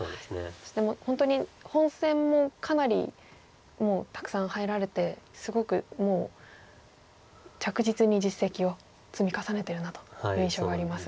そして本当に本戦もかなりもうたくさん入られてすごくもう着実に実績を積み重ねてるなという印象がありますが。